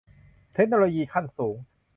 เทคโนโลยีขั้นสูง